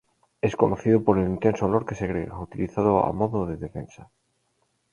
Es conocido por el intenso olor que segrega, utilizado a modo de defensa.